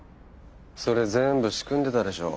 それ全部仕組んでたでしょ？